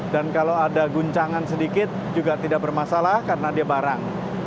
dan kalau ada guncangan sedikit juga tidak bermasalah karena dia barang